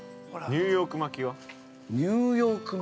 ◆ニューヨーク巻き？